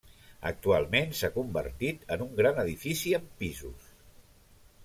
Actualment s'ha convertit en un gran edifici amb pisos.